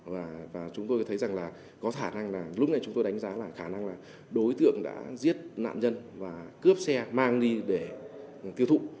và chúng tôi thấy rằng là có khả năng là lúc này chúng tôi đánh giá là khả năng là đối tượng đã giết nạn nhân và cướp xe mang đi để tiêu thụ